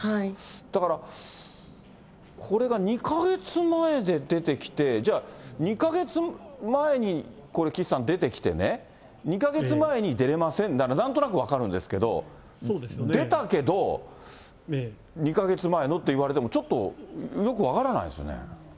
だから、これが２か月前で出てきて、じゃあ、２か月前にこれ、岸さん、出てきてね、２か月前に出れませんなら、なんとなく分かるんですけど、出たけど、２か月前のっていわれても、ちょっと、よく分からないですよね。